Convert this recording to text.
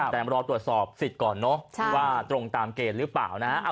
แต่มารอตรวจสอบสิทธิ์ก่อนเนอะว่าตรงตามเกณฑ์หรือเปล่านะ